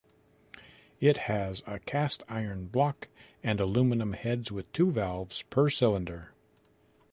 It has a cast iron block and aluminum heads with two valves per cylinder.